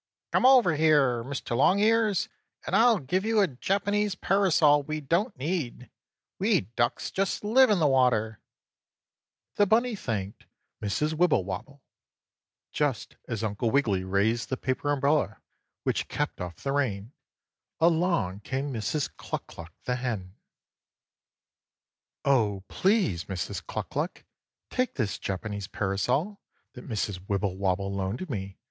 Quack! Quack! Come over here, Mr. Longears, and I'll give you a Japanese parasol we don't need. We ducks just live in the water." The bunny thanked Mrs. Wibblewobble. Just as Uncle Wiggily raised the paper umbrella, which kept off the rain, along came Mrs. Cluck Cluck the hen. 5. "Oh, please, Mrs. Cluck Cluck, take this Japanese parasol that Mrs. Wibblewobble loaned me!"